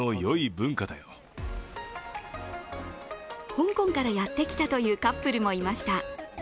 香港からやってきたというカップルもいました。